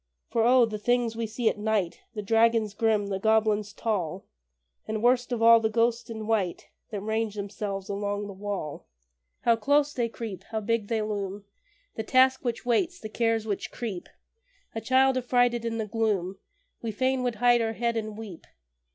For O! the things we see at night The dragons grim, the goblins tall, And, worst of all, the ghosts in white That range themselves along the wall! How close they creep! How big they loom! The Task which waits, the Cares which creep; A child, affrighted in the gloom, We fain would hide our head and weep.